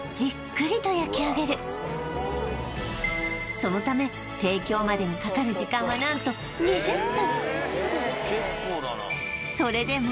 そのため提供までにかかる時間は何と２０分